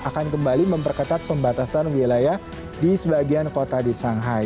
akan kembali memperketat pembatasan wilayah di sebagian kota di shanghai